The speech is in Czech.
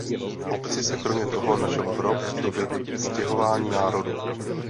V obci se kromě toho našel hrob z doby stěhování národů.